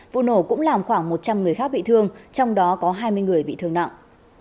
vụ nổ cũng làm khoảng một trăm linh người khác bị thương trong đó có hai mươi người bị thương nặng